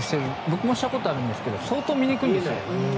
僕もしたことあるんですが相当見にくいんですよ。